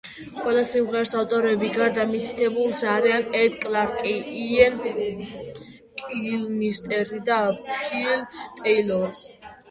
ყველა სიმღერის ავტორები, გარდა მითითებულისა, არიან ედი კლარკი, იენ კილმისტერი და ფილ ტეილორი.